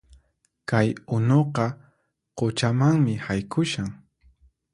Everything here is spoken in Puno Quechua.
Kay unuqa quchamanmi haykushan